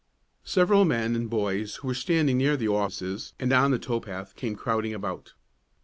Several men and boys who were standing near the offices and on the tow path came crowding about.